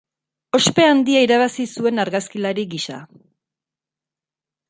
Ospe handia irabazi zuen argazkilari gisa.